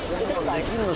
・できんの？